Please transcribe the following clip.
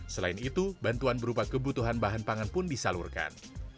selain itu bantuan berupa kebutuhan bahan pangan pun disalurkan